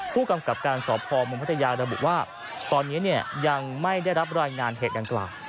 ผู้กำกับการสพมพัทยาระบุว่าตอนนี้ยังไม่ได้รับรายงานเหตุดังกล่าว